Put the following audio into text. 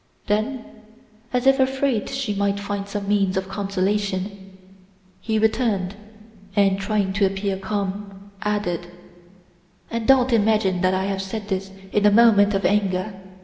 Then, as if afraid she might find some means of consolation, he returned and trying to appear calm added: "And don't imagine I have said this in a moment of anger.